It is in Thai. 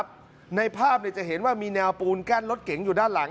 ใบภาพจะเห็นแนวปูนแก้นรถเก๋งอยู่ด้านหลัง